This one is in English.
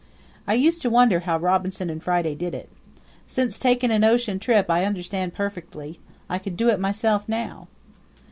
I used to wonder how Robinson and Friday did it. Since taking an ocean trip I understand perfectly. I could do it myself now.